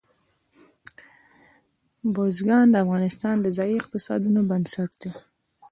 بزګان د افغانستان د ځایي اقتصادونو بنسټ دی.